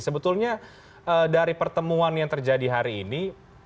sebetulnya dari pertemuan yang terjadi hari ini